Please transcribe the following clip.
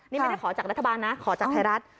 นี่ไม่ได้ขอจากรัฐบาลนะขอจากไทยรัฐ